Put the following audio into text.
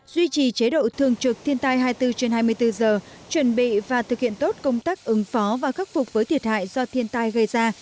duy trì chế độ thường trực thiên tai hai mươi bốn trên hai mươi bốn giờ chuẩn bị và thực hiện tốt công tác ứng phó và khắc phục với thiệt hại do thiên tai gây ra